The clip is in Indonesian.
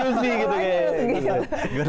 ini berbicara berbicara berbicara